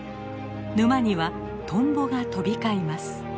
沼にはトンボが飛び交います。